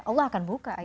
allah akan buka aib